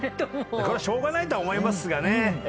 しょうがないとは思いますがね。